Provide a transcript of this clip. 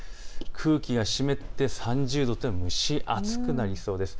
空気が湿って３０度というのは蒸し暑くなりそうなんです。